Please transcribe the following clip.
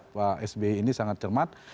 pak sby ini sangat cermat